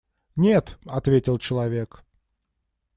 Нет, – ответил человек.